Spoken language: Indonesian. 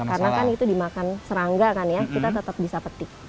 karena kan itu dimakan serangga kan ya kita tetap bisa petik